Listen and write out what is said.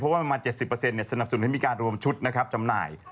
เพราะว่าประมาณ๗๐สนับสนุนให้มีการรวมชุดนะครับจำหน่าย